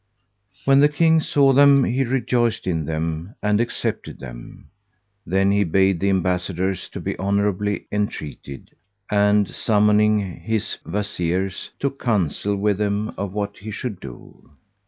When the King saw them, he rejoiced in them; and accepted them; then he bade the Ambassadors be honourably entreated and, summoning his Wazirs, took counsel with them of what he should do.